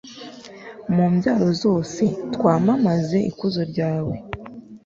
mu mbyaro zose twamamaze ikuzo ryawe